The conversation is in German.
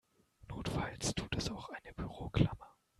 Notfalls tut es auch eine Büroklammer.